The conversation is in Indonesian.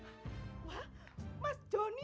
loh ada mas joni